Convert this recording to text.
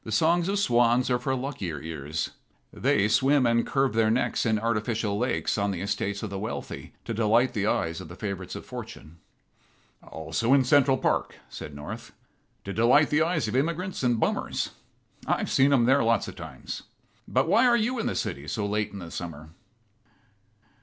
"The songs of swans are for luckier ears. They swim and curve their necks in artificial lakes on the estates of the wealthy to delight the eyes of the favorites of Fortune." "Also in Central Park," said North, "to delight the eyes of immigrants and bummers. I've seen em there lots of times. But why are you in the city so late in the summer?"